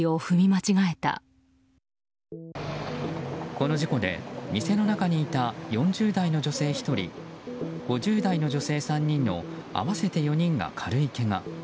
この事故で店の中にいた４０代の女性１人５０代の女性３人の合わせて４人が軽いけが。